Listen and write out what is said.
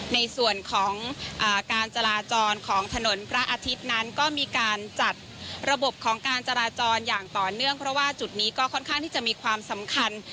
ในส่วนของการจราจรของถนนพระอาทิตย์นั้นก็มีการจัดระบบของการจราจรอย่างต่อเนื่องเพราะว่าจุดนี้ก็ค่อนข้างที่จะมีความสำคัญ